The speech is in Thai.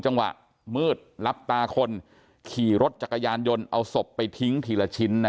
จังหวะมืดรับตาคนขี่รถจักรยานยนต์เอาศพไปทิ้งทีละชิ้นนะ